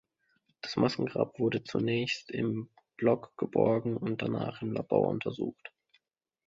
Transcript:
Das Massengrab wurde zunächst im Block geborgen und danach im Labor untersucht.